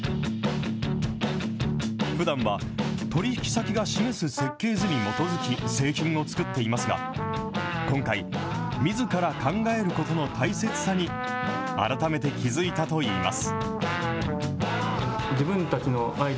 ふだんは取り引き先が示す設計図に基づき製品を作っていますが、今回、みずから考えることの大切さに改めて気付いたといいます。